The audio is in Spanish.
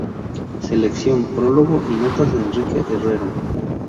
Selección, prólogo y notas de Enrique Herrero.